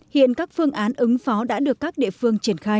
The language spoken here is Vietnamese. hiện các phương án ứng phó đã được các địa phương triển khai